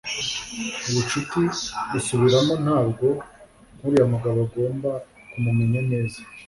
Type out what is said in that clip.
ubucuti busubiramo ntabwo nkuriya mugabo agomba kumumenya neza